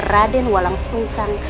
raden walang sung sang